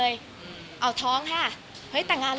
อย่างนั้นแหละไงค่ะ